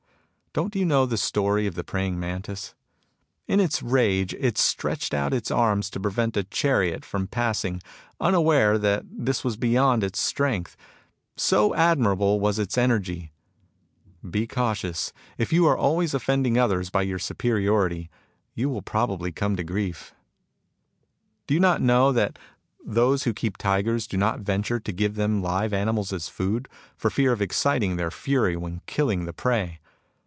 " Don't you know the story of the praying mantis ? Li its rage it stretched out its arms to prevent a chariot from passing, unaware that this was beyond its strength, so admirable was its energy ! Be cautious. If you are always offending others by your superiority, you will probably come to grief. " Do you not know that those who keep tigers do not venture to give them live animals as food, for fear of exciting their fury when killing the prey